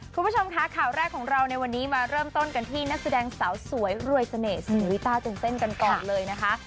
คุณผู้ชมคะข่าวแรกของเราในวันนี้มาเริ่มต้นกันที่นักแสดงสาวสวยรวยเสน่ห์ศรีริต้าจนเต้นกันก่อนเลยนะคะ